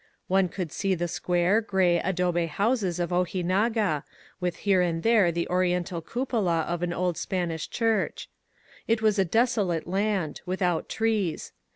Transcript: One could see the square, gray adobe houses of Ojinaga, with here and there the Oriental cupola of an old Spanish church. It was a desolate land, without trees.